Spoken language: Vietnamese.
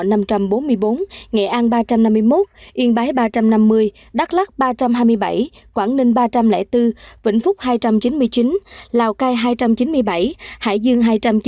nghệ an ba trăm năm mươi một yên bái ba trăm năm mươi đắk lắc ba trăm hai mươi bảy quảng ninh ba trăm linh bốn vĩnh phúc hai trăm chín mươi chín lào cai hai trăm chín mươi bảy hải dương hai trăm chín mươi chín